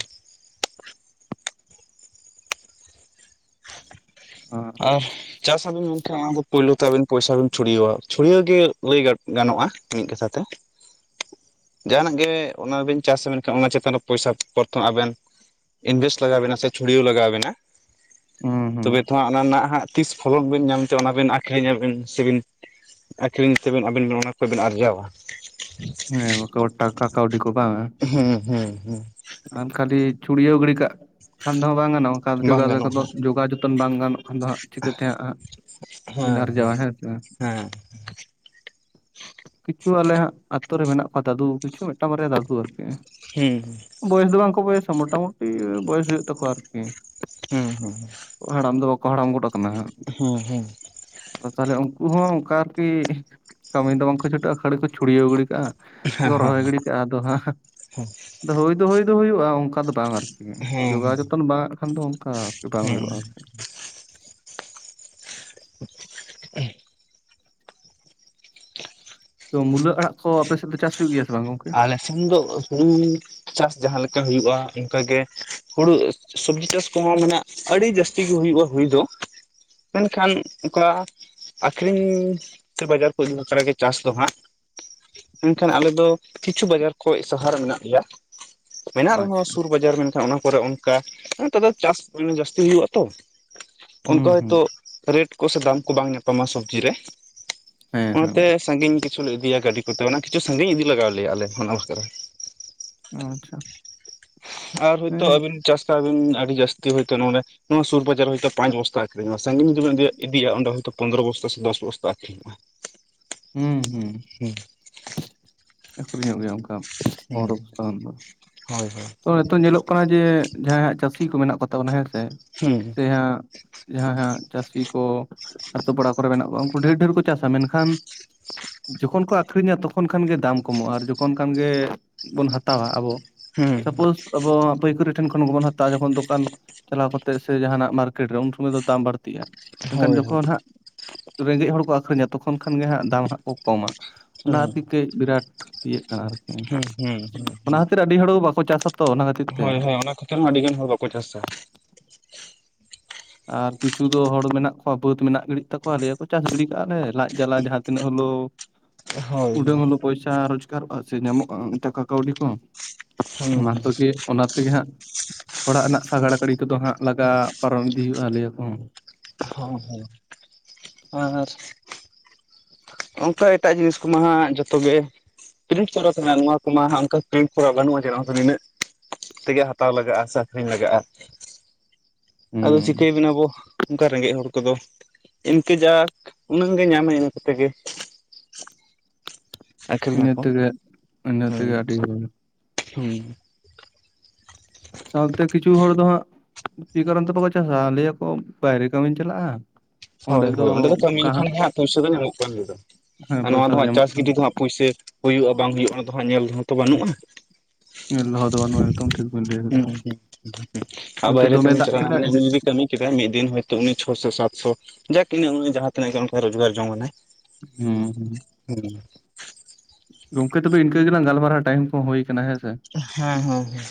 ᱦᱸᱜᱻ ᱟᱯ ᱪᱟᱥ ᱟᱵᱤᱱ ᱢᱮᱱᱠᱷᱟᱱ ᱚᱱᱟ ᱫᱚ ᱯᱳᱞᱳ ᱛᱮ ᱟᱵᱤᱱ ᱯᱚᱭᱥᱟ ᱵᱤᱱ ᱪᱷᱩᱲᱭᱟᱹᱣᱣᱟ ᱪᱷᱩᱲᱭᱟᱣ ᱜᱮ ᱞᱟᱹᱭ ᱜᱟᱱ ᱜᱟᱱᱚᱜᱼᱟ ᱢᱤᱫ ᱠᱟᱛᱷᱟ ᱛᱮ᱾ [inaudible] ᱡᱟᱦᱟᱱᱟᱜ ᱜᱮ ᱚᱱᱟ ᱵᱮᱱ ᱪᱟᱥᱟ ᱢᱮᱱᱠᱷᱟᱱ ᱚᱱᱟ ᱪᱮᱛᱟᱱ ᱨᱮ ᱯᱚᱭᱥᱟ ᱯᱚᱨᱛᱷᱚᱢ ᱟᱵᱮᱱ ᱤᱱᱵᱷᱮᱥᱴ ᱞᱟᱜᱟᱣᱵᱮᱱᱟ ᱥᱮ ᱪᱷᱩᱲᱤᱭᱟᱹᱣ ᱞᱟᱜᱟᱣᱟ ᱵᱮᱱᱟ᱾ ᱦᱮᱸ ᱦᱩᱸ᱾ ᱛᱚᱵᱮ ᱛᱚ ᱦᱟᱸᱜ ᱚᱱᱟ ᱨᱮᱱᱟᱜ ᱦᱟᱸᱜ ᱛᱤᱥ ᱯᱷᱚᱞᱚᱠ ᱵᱮᱱ ᱧᱟᱢ ᱛᱮ ᱚᱱᱟ ᱵᱮᱤᱱ ᱟᱠᱷᱨᱤᱧᱟᱵᱤᱱ ᱥᱮᱵᱤᱱ᱾ ᱟᱹᱠᱷᱨᱤᱧ ᱛᱮᱵᱮᱱ ᱟᱹᱵᱤᱱ ᱚᱱᱟ ᱠᱚᱵᱤᱱ ᱟᱨᱡᱟᱣᱟ᱾ ᱦᱮᱸ ᱴᱟᱠᱟ ᱠᱟᱹᱣᱰᱤ ᱠᱚ ᱵᱟᱝᱼᱟ ᱦᱮᱸ ᱦᱮᱸ ᱦᱮᱸ᱾ ᱟᱨ ᱠᱷᱟᱹᱞᱤ ᱪᱷᱩᱲᱭᱟᱹᱣ ᱜᱷᱲᱤ ᱠᱟᱜ ᱠᱷᱟᱱ ᱫᱚᱦᱚ ᱵᱟᱝ ᱜᱟᱱᱚᱜᱼᱟ ᱚᱱᱠᱟ ᱡᱚ ᱵᱟᱝ ᱜᱟᱱᱚᱜᱼᱟ ᱡᱚᱜᱟᱣ ᱡᱚᱛᱚᱱ ᱵᱟᱝ ᱜᱟᱱᱚᱜᱼᱟ ᱟᱫᱚ ᱦᱟᱸᱜ ᱪᱤᱠᱟᱹᱛᱮ ᱦᱟᱸᱜ ᱦᱟᱸᱜ ᱵᱤᱱ ᱟᱨᱡᱟᱣᱟ ᱦᱮᱸ ᱥᱮ᱾ ᱦᱮᱸ [inaudible] ᱠᱤᱪᱷᱩ ᱟᱞᱮ ᱦᱟᱸᱜ ᱟᱛᱳ ᱨᱮ ᱢᱮᱱᱟᱜ ᱠᱚᱣᱟ ᱫᱟᱫᱩ ᱠᱤᱪᱷᱩ ᱢᱤᱫᱴᱟᱝ ᱵᱟᱨᱭᱟ ᱫᱟᱫᱩ ᱟᱨᱠᱤ᱾ ᱦᱩᱸ ᱦᱩᱸ᱾ ᱵᱚᱭᱮᱥ ᱫᱚ ᱵᱟᱝᱠᱚ ᱵᱚᱭᱮᱥᱟ ᱢᱳᱴᱟᱢᱩᱴᱤ ᱵᱚᱭᱚᱥ ᱦᱩᱭᱩᱜ ᱛᱟᱠᱚᱣᱟ, ᱟᱨᱠᱤ᱾ ᱦᱩᱸ ᱦᱩᱸ᱾ ᱦᱟᱲᱟᱢ ᱫᱚ ᱵᱟᱠᱚ ᱦᱟᱲᱟᱢ ᱜᱚᱫ ᱟᱠᱟᱱᱟ ᱦᱟᱸᱜ, ᱦᱩᱸ ᱦᱩᱸ ᱦᱩᱸ ᱟᱫᱚ ᱛᱟᱦᱞᱮ ᱩᱱᱠᱩ ᱦᱚᱸ ᱚᱱᱠᱟ ᱟᱨᱠᱤ᱾ ᱠᱟᱹᱢᱤ ᱫᱚ ᱵᱟᱝᱠᱚ ᱪᱷᱩᱴᱟᱹᱜᱼᱟ ᱠᱷᱟᱹᱲᱤ ᱠᱚ ᱪᱷᱩᱲᱭᱟᱹᱣ ᱜᱤᱰᱤ ᱠᱟᱜᱼᱟ, ᱦᱮᱸ ᱥᱮᱠᱚ ᱦᱮᱸ ᱨᱚᱦᱚᱭ ᱜᱤᱰᱤ ᱠᱟᱜᱼᱟ, ᱟᱫᱚ ᱦᱟᱸ ᱟᱫᱚ ᱦᱩᱭ ᱫᱚ ᱦᱩᱭ ᱫᱚ ᱦᱩᱭᱩᱜᱼᱟ ᱚᱱᱠᱟ ᱫᱚ ᱵᱟᱸᱝᱟ᱾ ᱦᱮᱸ ᱡᱚᱜᱟᱣ ᱡᱚᱛᱚᱱ ᱵᱟᱝ ᱟᱜ ᱠᱷᱟᱱ ᱫᱚ ᱚᱱᱠᱟ ᱵᱟᱝ ᱦᱮᱸ ᱦᱩᱭᱩᱜᱼᱟ ᱟᱨᱠᱤ [unintelligible] ᱛᱚ ᱢᱩᱞᱟᱹ ᱟᱲᱟᱜ ᱠᱚ ᱟᱯᱮ ᱥᱮᱫ ᱫᱚ ᱪᱟᱥ ᱦᱩᱭᱩᱜ ᱜᱮᱭᱟ ᱥᱮ ᱵᱟᱝ ᱜᱚᱝᱠᱮ? ᱟᱞᱮ ᱥᱮᱢ ᱫᱚ ᱦᱩᱲᱩ ᱪᱟᱥ ᱡᱟᱦᱟᱸ ᱞᱮᱠᱟ ᱦᱩᱭᱩᱜᱼᱟ ᱚᱱᱠᱟ ᱜᱮ᱾ ᱦᱩᱲᱩ ᱥᱚᱵᱡᱤ ᱪᱟᱥ ᱠᱚᱦᱚᱸ ᱢᱟᱱᱮ ᱟᱹᱰᱤ ᱡᱟᱹᱥᱛᱤ ᱜᱮ ᱦᱩᱭᱩᱜᱼᱟ ᱦᱩᱭ ᱫᱚ᱾ ᱢᱮᱱᱠᱷᱟᱱ ᱚᱠᱟ ᱠᱚᱨᱟᱣ ᱟᱠᱷᱨᱤᱧ ᱥᱮ ᱵᱟᱡᱟᱨ ᱠᱚ ᱤᱫᱤ ᱵᱟᱠᱷᱨᱟᱜᱮ ᱪᱟᱥ ᱫᱚ ᱦᱟᱸᱜ, ᱢᱮᱱᱠᱷᱟᱱ ᱟᱞᱮᱫᱚ ᱠᱤᱪᱷᱩ ᱵᱟᱡᱟᱨ ᱠᱷᱚᱡ ᱥᱟᱦᱟᱨᱮ ᱢᱮᱱᱟᱜ ᱞᱮᱭᱟ᱾ ᱢᱮᱱᱟᱜ ᱨᱮᱦᱚᱸ ᱟᱪᱪᱷᱟ ᱥᱩᱨ ᱵᱟᱡᱟᱨ ᱢᱮᱱᱠᱷᱟᱱ ᱚᱱᱟ ᱠᱚᱨᱮ᱾ ᱚᱱᱛᱮ ᱫᱚ ᱪᱟᱥ ᱡᱟᱹᱥᱛᱤ ᱦᱳᱭᱳᱜ ᱟ ᱛᱚ ᱚᱱᱠᱟ ᱦᱩᱸ ᱦᱩᱸ ᱦᱚᱭᱛᱳ᱾ ᱨᱮᱴ ᱠᱚ ᱥᱮ ᱫᱟᱢ ᱠᱚ ᱵᱟᱝ ᱧᱟᱯᱟᱢᱟ ᱥᱚᱵᱡᱤ ᱨᱮ᱾ ᱦᱮᱸ ᱦᱮᱸ ᱚᱱᱟᱛᱮ ᱥᱟᱹᱜᱤᱧ ᱜᱮ ᱠᱤᱪᱷᱩᱞ ᱞᱮ ᱤᱫᱤᱭᱟ ᱜᱟᱹᱰᱤ ᱠᱚᱛᱮ ᱚᱱᱟ ᱠᱤᱪᱷᱩ ᱥᱟᱺᱜᱤᱧ ᱤᱫᱤ ᱞᱟᱜᱟᱣ ᱟᱞᱮᱭᱟ ᱟᱞᱮ ᱠᱷᱚᱱ ᱟᱪᱷᱟ᱾ ᱟᱨ ᱦᱳᱭᱛᱳ ᱟᱵᱤᱱ ᱪᱟᱥ ᱠᱟᱜ ᱟᱵᱤᱱ ᱟᱹᱰᱤ ᱡᱟᱹᱥᱛᱤ ᱦᱳᱭᱛᱳ ᱱᱚᱰᱮ᱾ ᱱᱚᱣᱟ ᱥᱩᱨ ᱵᱟᱡᱟᱨ ᱦᱳᱭᱛᱚ ᱯᱟᱸᱪ ᱵᱚᱥᱛᱟ ᱟᱹᱠᱦᱨᱤᱧᱚᱜᱼᱟ ᱥᱟᱜᱤᱧ ᱡᱩᱤ ᱵᱤᱱ ᱤᱫᱤᱭᱟ ᱤᱫᱤᱭᱟ ᱚᱸᱰᱮ ᱦᱳᱭᱛᱚ ᱯᱚᱱᱫᱽᱨᱚ ᱵᱚᱥᱛᱟ ᱥᱮ ᱫᱚᱥ ᱵᱚᱥᱛᱟ ᱟᱹᱷᱨᱤᱧᱚᱜᱼᱟ ᱦᱩᱸ ᱦᱩᱸ᱾ ᱦᱩᱸ᱾ ᱟᱹᱠᱷᱨᱤᱧᱚᱜ ᱜᱮᱭᱟ ᱚᱱᱠᱟ᱾ ᱦᱮᱸ ᱯᱚᱱᱨᱚ ᱵᱚᱥᱛᱟ ᱜᱟᱱ ᱫᱚ ᱦᱳᱭ ᱦᱳᱭ ᱛᱚ ᱱᱤᱛᱚᱝ ᱧᱮᱞᱚᱜ ᱠᱟᱱᱟ ᱡᱮ ᱡᱟᱦᱟᱸᱟᱜ ᱪᱟᱹᱥᱤ ᱠᱚ ᱢᱮᱱᱟᱜ ᱠᱚᱛᱟ ᱵᱚᱱᱟ ᱦᱮᱸᱥᱮ ᱦᱩᱸ ᱥᱮ ᱦᱟ ᱡᱟᱦᱟᱸᱭ ᱦᱟᱜ ᱪᱟᱹᱥᱤ ᱠᱚ ᱟᱛᱳ ᱯᱟᱲᱟ ᱠᱚᱨᱮ ᱢᱮᱱᱟᱜ ᱠᱚᱣᱟ ᱩᱱᱠᱩ ᱰᱷᱮᱨ ᱰᱷᱮᱨ ᱠᱚ ᱪᱟᱥᱟ ᱢᱮᱱᱠᱷᱟᱱ ᱡᱚᱠᱷᱚᱱ ᱠᱚ ᱟᱠᱷᱨᱤᱧᱟ ᱛᱚᱠᱷᱚᱱ ᱠᱷᱟᱱᱜᱮ ᱫᱟᱢ ᱠᱚᱢᱚᱜᱼᱟ ᱟᱨ ᱡᱚᱠᱷᱚᱱ ᱠᱷᱟᱱ ᱜᱮᱵᱚᱱ ᱦᱟᱛᱟᱣᱟ ᱟᱵᱚ ᱦᱩᱸ ᱥᱟᱯᱳᱡ ᱟᱵᱚ ᱯᱟᱹᱭ ᱠᱟᱨᱤ ᱴᱷᱮᱱ ᱠᱷᱚᱱ ᱜᱮᱵᱚᱱ ᱦᱟᱛᱟᱼᱟ ᱡᱚᱠᱷᱚᱱ ᱫᱚᱠᱟᱱ ᱪᱟᱞᱟᱣ ᱠᱟᱛᱮ ᱥᱮ ᱡᱟᱦᱟᱱᱟᱜ ᱢᱟᱨᱠᱮᱴ ᱨᱮ ᱩᱱ ᱥᱚᱢᱚᱭ ᱫᱚ ᱫᱟᱢ ᱵᱟᱹᱲ ᱟᱹᱜᱼᱟ ᱦᱳᱭ ᱢᱮᱱᱱᱠᱷᱟᱱ ᱦᱳᱭ ᱡᱚᱠᱷᱚᱱ ᱦᱟᱸᱜ ᱨᱮᱸᱜᱮᱡ ᱦᱚᱲ ᱠᱚ ᱟᱹᱷᱨᱤᱧᱟ ᱛᱚᱠᱷᱚᱱ ᱠᱷᱟᱱ ᱜᱮ ᱦᱟᱸᱜ ᱫᱟᱢ ᱦᱟᱸᱜ ᱠᱚ ᱠᱚᱢᱟ ᱚᱱᱟ ᱦᱩᱸ ᱠᱷᱟᱹᱛ ᱠᱟᱹᱡ ᱵᱤᱨᱟᱴ ᱤᱭᱟᱹᱜ ᱦᱩᱸ ᱦᱳᱭ ᱦᱳᱭ ᱦᱩᱸ ᱦᱩᱸ ᱦᱩᱸ ᱦᱩᱸ ᱦᱩᱸ ᱠᱟᱱᱟ ᱟᱨᱠᱤ ᱚᱱᱟ ᱟᱹᱰᱤ ᱦᱚᱲ ᱦᱚᱸ ᱵᱟᱠᱚ ᱪᱟᱥᱟ ᱛᱚ ᱚᱱᱟ ᱠᱷᱟᱹᱛᱤᱨ ᱛᱮ ᱦᱳᱭ ᱦᱳᱭ ᱚᱱᱟ ᱠᱷᱟ. ᱛᱤᱨ ᱦᱚᱸ ᱟᱹᱰᱤ ᱜᱟᱱ ᱦᱚᱲ ᱵᱟᱠᱚ ᱪᱟᱥᱟ ᱟᱨ ᱠᱤᱪᱷᱩ ᱫᱚ ᱦᱚᱲ ᱢᱮᱱᱟᱜ ᱠᱚᱣᱟ ᱵᱟᱹᱫ ᱟᱨ ᱠᱤᱷᱩ ᱫᱚ ᱦᱚᱲ ᱢᱮᱱᱟᱜ ᱜᱤᱰᱤᱜ ᱛᱟᱠᱚᱣᱟ ᱞᱮᱭᱟ ᱠᱚ ᱪᱟᱥ ᱜᱤᱰᱤ ᱠᱟᱜᱼᱟ ᱞᱮ ᱞᱟᱡ ᱡᱟᱞᱟ ᱡᱟᱦᱟᱸ ᱛᱤᱱᱟᱹᱜ ᱦᱚᱞᱳ ᱦᱳᱭ ᱩᱰᱟ. ᱦᱩᱸ ᱝ ᱯᱚᱭᱥᱟ ᱨᱳᱡᱽᱜᱟᱨ ᱥᱮ ᱧᱟᱢ ᱴᱟᱠᱟ ᱠᱟᱣᱰᱤ ᱠᱚ ᱚᱱᱟ ᱦᱩᱸ ᱛᱮᱜᱮ ᱚᱱᱟ ᱛᱮᱜᱮ ᱦᱟᱸᱜ ᱚᱲᱟᱜ ᱨᱮᱱᱟᱜ ᱥᱟᱜᱟᱲ ᱜᱟᱲᱤ ᱠᱚᱫᱚ ᱦᱟᱸᱜ ᱞᱟᱜᱟ ᱯᱟᱨᱚᱢ ᱤᱫᱤ ᱦᱩᱭᱩᱜᱼᱟ ᱞᱮᱭ ᱟᱠᱚ ᱦᱮᱸ ᱦᱮᱸ ᱟᱨ [unintelligible] ᱚᱱᱠᱟ ᱮᱴᱟᱜ ᱡᱤᱱᱤᱥ ᱠᱚᱢᱟ ᱦᱟᱜ ᱡᱚᱛᱚᱜᱮ [unintelligible] ᱠᱚᱨᱟ ᱠᱟᱱᱟ ᱱᱚᱣᱟ ᱠᱚᱢᱟ ᱚᱱᱠᱟ ᱯᱨᱴ ᱠᱚᱨᱟ ᱵᱟᱹᱱᱩᱜᱼᱟ ᱡᱮ ᱫᱚ ᱱᱤᱱᱟᱹᱜ [unintelligible] ᱛᱮᱜᱮ ᱦᱟᱛᱟᱣ ᱞᱟᱜᱟᱜᱼᱟ ᱥᱮ ᱟᱹᱷᱨᱤᱧ ᱞᱟᱜᱟᱜᱼᱟ ᱟᱫᱚ ᱦᱩᱸ ᱪᱤᱠᱟᱹᱭᱵᱤᱱ ᱟᱵᱚ ᱚᱱᱠᱟ ᱨᱮᱸᱜᱮᱡ ᱦᱚᱲ ᱠᱚᱫᱚ ᱤᱱᱠᱟᱹ ᱡᱟᱠ ᱩᱱᱟᱹᱜ ᱜᱮ ᱧᱟᱢᱟᱭ ᱤᱱᱟᱹ‌ᱜ ᱛᱮ ᱜᱮ ᱤᱱᱟᱹ ᱟᱠᱷᱨᱤᱧᱟᱠᱚ ᱛᱮᱜᱮ ᱤᱱᱟᱹ ᱛᱮᱜᱮ ᱟᱹᱰᱤ ᱦᱮᱸ [inaudible] [inaudible] ᱥᱟᱶᱛᱮ ᱠᱤᱪᱷᱩ ᱦᱚᱲ ᱫᱚ ᱦᱟᱸᱜ ᱱᱤᱭᱟ. ᱠᱟᱨᱚᱱ ᱛᱮ ᱵᱟᱠᱚ ᱪᱟᱥᱟ ᱞᱟᱹᱭᱟᱠᱚ ᱵᱟᱭᱨᱮ ᱠᱟᱹᱢᱤᱧ ᱪᱟᱞᱟᱜᱼᱟ ᱦᱳᱭ ᱦᱳᱭ ᱚᱸᱰᱮ ᱫᱚ ᱠᱟᱹᱢᱤ ᱞᱮᱠᱷᱟᱱ ᱜᱮ ᱦᱟᱜ ᱯᱚᱭᱥᱟ ᱫᱚ ᱧᱟᱢᱚᱜ ᱠᱟᱱ ᱜᱮᱭᱟ ᱦᱮᱸ ᱟᱨ ᱱᱚᱣᱟ ᱯᱚᱭᱥᱟ ᱫᱚ ᱦᱟᱸᱜ ᱧᱟᱢᱚᱜ ᱪᱟᱥ ᱠᱟᱱ ᱜᱤᱰᱤ ᱫᱚᱦᱟᱸᱜ ᱯᱩᱭᱥᱟᱹ ᱦᱩᱭᱩᱜᱼᱟ ᱵᱟᱝ ᱦᱩᱭᱩᱜᱼᱟ ᱚᱱᱟ ᱫᱚ ᱦᱟᱸᱜ ᱧᱮᱞ ᱫᱚᱦᱚ ᱛᱚ ᱵᱟᱹᱱᱩᱜᱼᱟ ᱞᱚᱦᱚᱫᱚ ᱵᱟᱹᱱᱩᱜᱼᱟ ᱮᱠᱫᱚᱢ ᱴᱷᱤᱠ ᱵᱤᱱ ᱞᱟᱹᱭ ᱠᱟᱫᱟ ᱦᱟᱸᱜ᱾ [unintelligible] ᱟᱨ ᱦᱳᱭᱛᱳ ᱵᱟᱭᱨᱮ ᱫᱚᱢᱮ ᱠᱟᱹᱢᱤ ᱫᱟᱜ ᱪᱟᱞᱟᱣᱱᱟ ᱠᱮᱫᱟᱭ ᱢᱮᱱ ᱠᱟᱹᱢᱤ ᱠᱮᱫᱟᱭ ᱢᱤᱫ ᱫᱤᱱ ᱦᱚᱭᱛᱳ ᱩᱱᱤ ᱪᱷᱚᱥᱚ ᱥᱟᱛᱥᱚ ᱡᱟᱠᱤ ᱡᱟᱦᱟᱸ ᱛᱤᱱᱟᱹᱜ ᱜᱮ ᱨᱳᱡᱽᱜᱟᱨ ᱡᱚᱝ ᱟᱱᱟᱭ ᱦᱩᱸ ᱦᱩᱸ [inaudible] ᱜᱚᱝᱠᱮ ᱛᱚᱵᱮ ᱤᱱᱠᱟᱹ ᱜᱮᱞᱟᱝ ᱜᱟᱞᱢᱟᱨᱟᱣ ᱴᱟᱭᱤᱢ ᱠᱚ ᱦᱩᱭ ᱟᱠᱟᱱᱟ ᱦᱮᱸ ᱥᱮ ᱦᱮᱸ ᱦᱮᱸ ᱦᱮᱸ